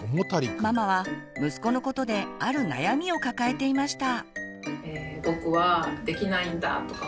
ママは息子のことで「ある悩み」を抱えていました。